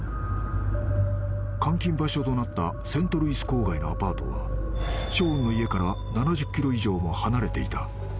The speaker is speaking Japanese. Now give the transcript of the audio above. ［監禁場所となったセントルイス郊外のアパートはショーンの家から７０ｋｍ以上も離れていた］